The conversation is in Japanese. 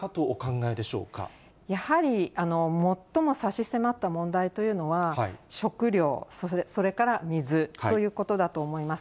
やはり、最も差し迫った問題というのは、食料、それから水ということだと思います。